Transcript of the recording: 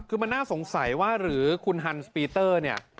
คือมันน่าสงสัยว่าหรือคุณฮันสปีเตอร์เนี่ย